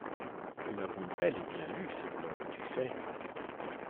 Nous l’avons bel et bien lu, ce blog, tu sais ?